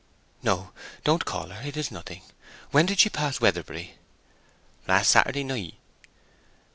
"No; don't call her; it is nothing. When did she pass Weatherbury?" "Last Saturday night."